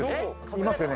いますよね？